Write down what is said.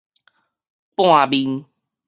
半面